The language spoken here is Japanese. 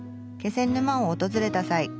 気仙沼を訪れた際